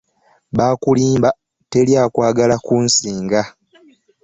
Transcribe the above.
Bakulimba teri akwagala kunsinga.